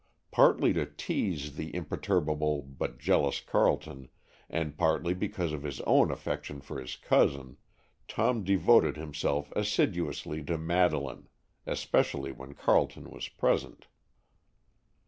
Partly to tease the imperturbable but jealous Carleton, and partly because of his own affection for his cousin, Tom devoted himself assiduously to Madeleine, especially when Carleton was present.